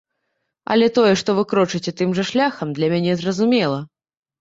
Але тое, што вы крочыце тым жа шляхам, для мяне зразумела.